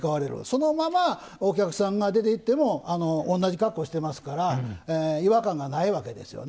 そのままお客さんが出ていっても同じ格好してますから違和感がないわけですよ。